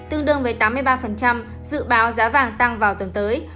tương đương với tám mươi ba dự báo giá vàng tăng vào tuần tới